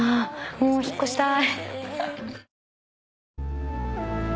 もう引っ越したい。